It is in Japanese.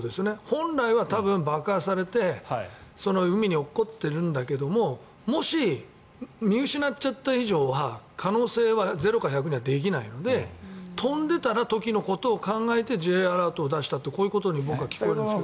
本来は爆破されて海に落っこってるんだけどもし、見失っちゃった以上は可能性はゼロか１００にはできないので飛んでいた時のことを考えてＪアラートを出したとこう聞こえるんですけど。